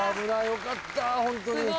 よかったホントに。